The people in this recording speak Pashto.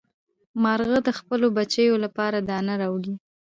مارغه د خپلو بچیو لپاره دانه راوړي.